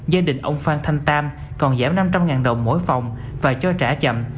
gia đình ông phan thanh tam còn giảm năm trăm linh đồng mỗi phòng và cho trả chậm